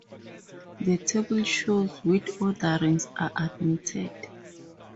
The table shows which orderings are admitted.